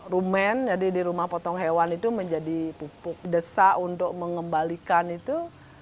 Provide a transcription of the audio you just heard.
rumen jadi di rumah potong hewan itu menjadi pupuk desak untuk mengembalikan itu